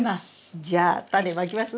じゃあタネまきます？